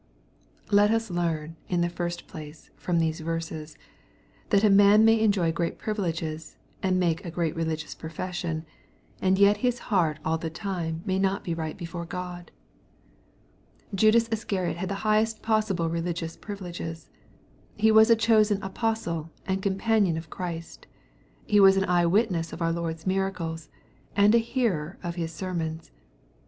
Let us learn, in the first place, from these verses, Hiai a man may enjoy great privileges^ and niaJce a great reli^ giotts profession, and yet his heart aU the time may noi be right before God. MATTHEW, CHAP. XXVI. 35i Judas Iscariot had the highest possible religious privi* leges. He was a chosen apostle, and companion of Christ. He was an eye witness of our Lord's miracles, and a hearer of His sermons.